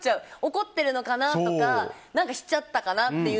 怒ってるのかな？とか何かしちゃったかな？とか。